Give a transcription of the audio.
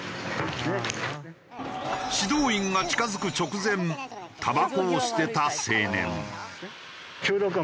指導員が近付く直前たばこを捨てた青年。